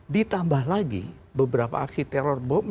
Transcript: ditambah lagi beberapa aksi terror bomb